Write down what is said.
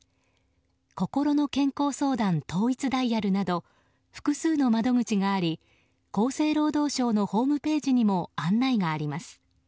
こころの健康相談統一ダイヤルなど複数の窓口があり厚生労働省のホームページにも案内があります。